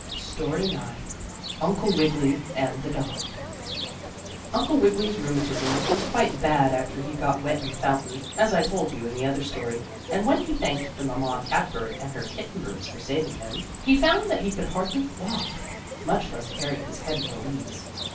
STORY IX UNCLE WIGGILY AND THE DOG Uncle Wiggily's rheumatism was quite bad after he got wet in the fountain, as I told you in the other story, and when he thanked the mamma cat bird and her kitten birds for saving him, he found that he could hardly walk, much less carry his heavy valise.